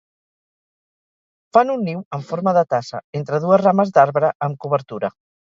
Fan un niu en forma de tassa, entre dues rames d'arbre, amb cobertura.